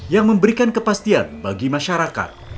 yang memberikan kepastian bagi masyarakat